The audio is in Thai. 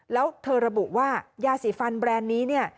แล้วเธอระบุว่ายาสีฟันแบรนด์นี้เนี่ย